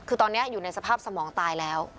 คือตอนนี้อยู่ในสภาพสมองตายแล้ว